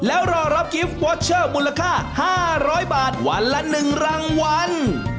แล้วรอรับกิฟต์วอเชอร์มูลค่า๕๐๐บาทวันละ๑รางวัล